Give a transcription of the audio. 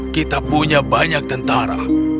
kita punya banyak tentara